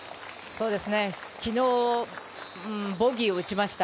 昨日ボギーを打ちました。